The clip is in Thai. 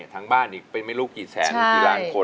ทั้งบ้านอีกเป็นไม่รู้กี่แสนกี่ล้านคน